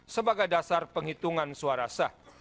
sebagai dasar penghitungan suara sah